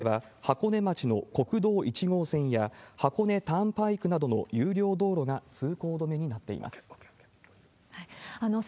神奈川県内では箱根町の国道１号線や、箱根ターンパイクなどの有料道路が通行止めになっています。